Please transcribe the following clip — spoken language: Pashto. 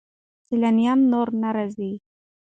سیلانیان نور نه راځي.